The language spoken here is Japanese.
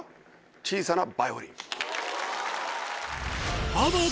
小さなバイオリン。